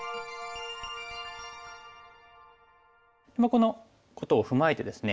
このことを踏まえてですね